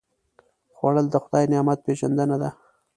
خوړل د خدای نعمت پېژندنه ده